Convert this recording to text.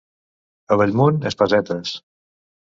A Bellmunt, espasetes.